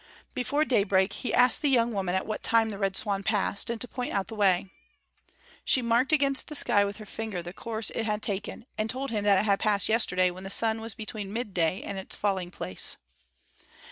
Before daybreak he asked the young woman at what time the Red Swan passed, and to point out the way. She marked against the sky with her finger the course it had taken, and told him that it had passed yesterday when the sun was between midday and its falling place.